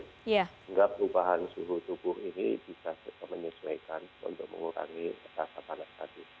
sehingga perubahan suhu tubuh ini bisa menyesuaikan untuk mengurangi rasa panas tadi